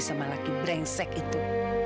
sama laki brengsek itu